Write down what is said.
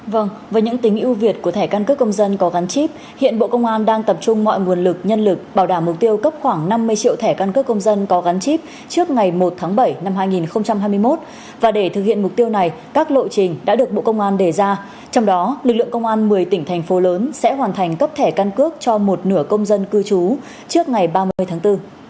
vâng với những tính ưu việt của thẻ căn cước công dân có gắn chip hiện bộ công an đang tập trung mọi nguồn lực nhân lực bảo đảm mục tiêu cấp khoảng năm mươi triệu thẻ căn cước công dân có gắn chip trước ngày một tháng bảy năm hai nghìn hai mươi một và để thực hiện mục tiêu này các lộ trình đã được bộ công an đề ra trong đó lực lượng công an một mươi tỉnh thành phố lớn sẽ hoàn thành cấp thẻ căn cước cho một nửa công dân cư trú trước ngày ba mươi tháng bốn